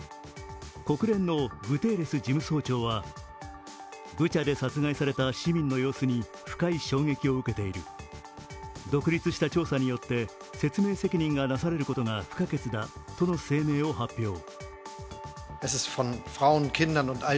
国連のグテーレス事務総長は、ブチャで殺害された市民の様子に深い衝撃を受けている、独立した調査によって説明責任がなされることが不可欠だとの声明を発表。